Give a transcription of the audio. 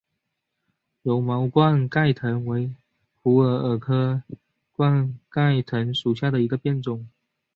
柔毛冠盖藤为虎耳草科冠盖藤属下的一个变种。